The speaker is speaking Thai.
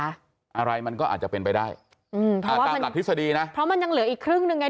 อะไรมันก็อาจจะเป็นไปได้อืมถ้าตามหลักทฤษฎีนะเพราะมันยังเหลืออีกครึ่งหนึ่งไง